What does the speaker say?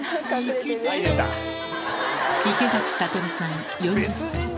池崎慧さん４０歳。